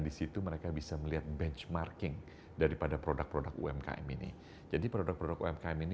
disitu mereka bisa melihat benchmarking daripada produk produk umkm ini jadi produk produk umkm ini